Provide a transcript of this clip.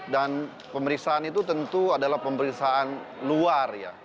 dan pemeriksaan itu tentu adalah pemeriksaan luar